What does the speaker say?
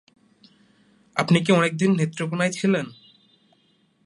আপনি কি অনেকদিন নেত্রকোণায় ছিলেন?